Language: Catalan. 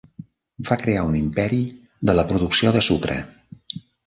Va crear un imperi de la producció de sucre.